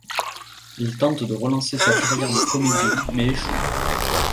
Il tente de relancer sa carrière de comédien mais échoue.